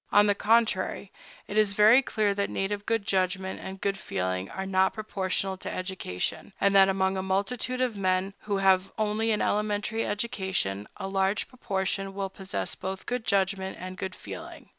On the contrary, it is very clear that native good judgment and good feeling are not proportional to education, and that among a multitude of men who have only an elementary education, a large proportion will possess both good judgment and good feeling.